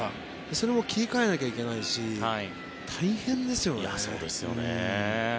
それも切り替えなきゃいけないし大変ですよね。